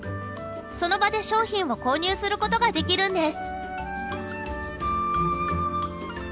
その場で商品を購入することができるんです。